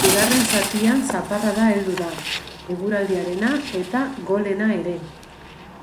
Bigarren zatian, zaparrada heldu da, eguraldiarena eta golena ere.